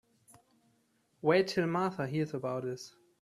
Wait till Martha hears about this.